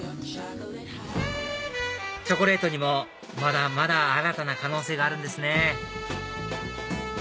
チョコレートにもまだまだ新たな可能性があるんですね